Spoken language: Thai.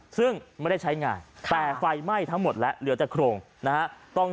ซึ่งไม่ได้ใช้งานแต่ไฟไหม้ทั้งหมดแล้วเหลือแต่โครงนะฮะ